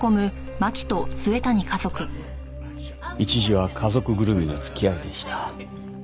一時は家族ぐるみの付き合いでした。